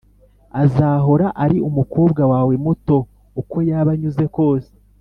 azahora ari umukobwa wawe muto, uko yaba anyuze kose.